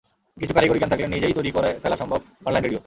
কিছু কারিগরি জ্ঞান থাকলে নিজেই তৈরি করে ফেলা সম্ভব অনলাইন রেডিও।